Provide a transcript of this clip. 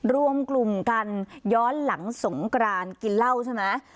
รวมกลุ่มกันย้อนหลังสงกรานกินเหล้าใช่ไหม